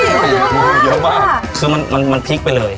เยอะมากก็เยอะมากคือมันมันพลิกไปเลย